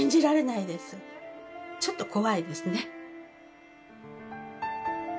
ちょっと怖いですね。